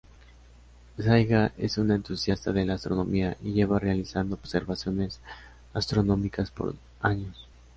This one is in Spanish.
Saiga es una entusiasta de la astronomía y lleva realizando observaciones astronómicas por años.